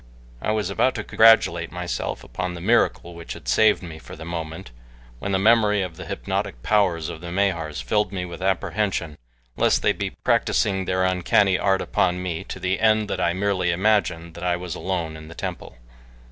I was about to congratulate myself upon the miracle which had saved me for the moment, when the memory of the hypnotic powers of the Mahars filled me with apprehension lest they be practicing their uncanny art upon me to the end that I merely imagined that I was alone in the temple.